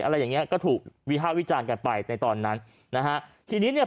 อะไรอย่างเงี้ก็ถูกวิภาควิจารณ์กันไปในตอนนั้นนะฮะทีนี้เนี่ย